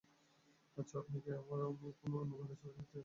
আচ্ছা, আপনি কি অন্য কোনো ইউনিভার্স থেকে এসেছেন?